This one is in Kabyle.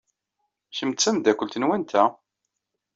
Kemm d tameddakelt n wanta?